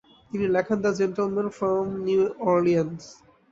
তিনি লেখেন "the gentleman from New Orleans".